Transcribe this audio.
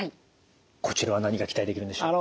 こちらは何が期待できるんでしょうか？